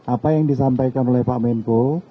apa yang disampaikan oleh pak menko